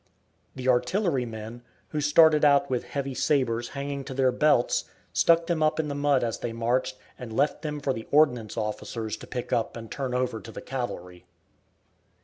The artillerymen, who started out with heavy sabres hanging to their belts, stuck them up in the mud as they marched, and left them for the ordnance officers to pick up and turn over to the cavalry.